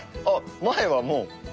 あっ前はもう。